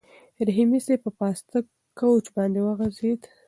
رحیمي صیب په پاسته کوچ باندې وغځېد.